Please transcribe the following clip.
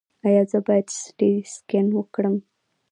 ایا زه باید سټي سکن وکړم؟